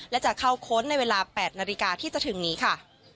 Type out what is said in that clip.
และจะเข้าค้นในเวลา๘นาฬิกาที่จะถึงนี้ค่ะ